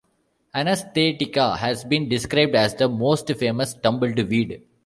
"Anastatica" has been described as "the most famous tumble weed".